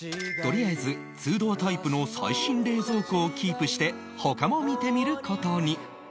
とりあえず２ドアタイプの最新冷蔵庫をキープして他も見てみる事に